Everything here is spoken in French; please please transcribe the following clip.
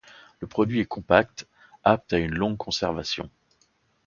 Le produit est compact, apte à une longue conservation.